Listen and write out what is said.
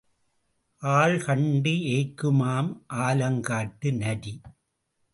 ஆள் கண்டு ஏய்க்குமாம் ஆலங்காட்டு நரி.